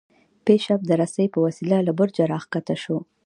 بیشپ د رسۍ په وسیله له برجه راکښته شو.